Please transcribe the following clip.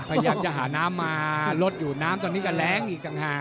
พยายามจะหาน้ำมาลดอยู่น้ำตอนนี้ก็แรงอีกต่างหาก